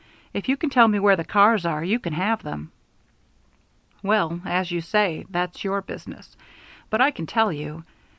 If you can tell me where the cars are, you can have them." "Well, as you say, that's your business. But I can tell you.